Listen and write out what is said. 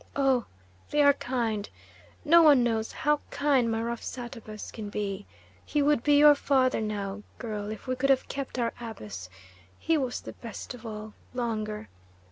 Oh, they are kind; no one knows how kind my rough Satabus can be. He would be your father now, girl, if we could have kept our Abus he was the best of all longer.